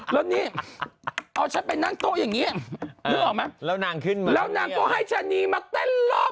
แล้วนี่เอาฉันไปนั่งโต๊ะอย่างนี้นึกออกไหมแล้วนางขึ้นมาแล้วนางก็ให้ชะนีมาเต้นรอบ